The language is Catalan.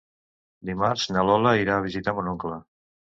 Dimarts na Lola irà a visitar mon oncle.